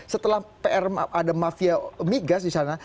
setelah pr ada mafia migas di sana